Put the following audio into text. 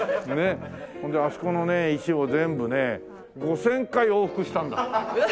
ほんであそこのね石を全部ね５０００回往復したんだって。